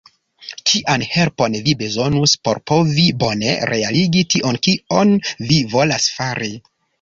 Kian helpon vi bezonus por povi bone realigi tion kion vi volas fari?